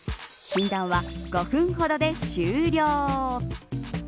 診断は５分ほどで終了。